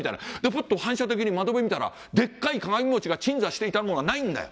ふっと反射的に窓辺見たらでっかい鏡餅が鎮座していたものがないんだよ。